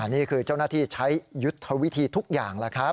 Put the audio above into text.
นี่คือเจ้าหน้าที่ใช้ยุทธวิธีทุกอย่างแล้วครับ